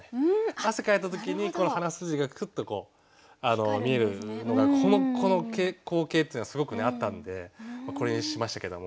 汗かいた時に鼻筋がくっと見えるのがこの光景っていうのはすごくねあったんでこれにしましたけども。